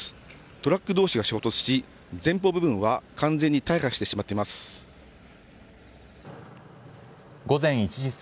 トラックどうしが衝突し、前方部分は完全に大破してしまっています。